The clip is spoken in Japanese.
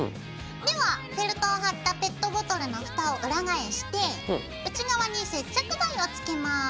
ではフェルトを貼ったペットボトルのふたを裏返して内側に接着剤を付けます。